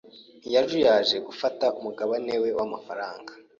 Ntiyazuyaje gufata umugabane we w'amafaranga.